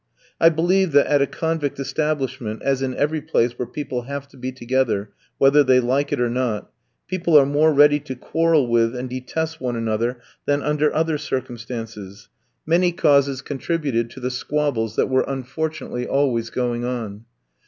I believe that at a convict establishment as in every place where people have to be together, whether they like it or not people are more ready to quarrel with and detest one another than under other circumstances. Many causes contributed to the squabbles that were, unfortunately, always going on.